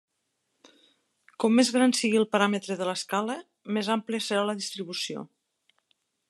Com més gran sigui el paràmetre de l'escala, més àmplia serà la distribució.